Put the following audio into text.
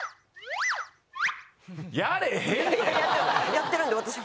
やってるんで。